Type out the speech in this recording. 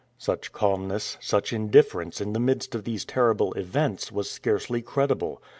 Such calmness, such indifference, in the midst of these terrible events, was scarcely credible.